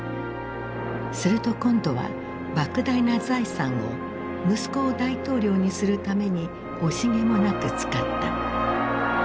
すると今度はばく大な財産を息子を大統領にするために惜しげもなく使った。